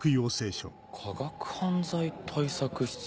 「科学犯罪対策室」。